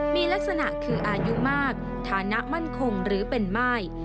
มีลักษณะคืออายุมากฐานะมั่นคงหรือเป็นม่าย